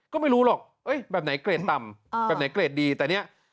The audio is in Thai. ก็ไม่รู้หรอกแบบไหนเกรดต่ำแบบไหนเกรดดีแต่เนี่ย